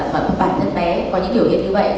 bản thân bé có những biểu hiện như vậy